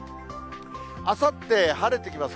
あさって晴れてきます。